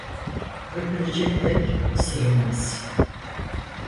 Öpülecek el ısırılmaz.